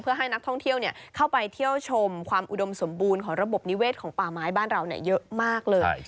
เพื่อให้นักท่องเที่ยวเข้าไปเที่ยวชมความอุดมสมบูรณ์ของระบบนิเวศของป่าไม้บ้านเราเยอะมากเลย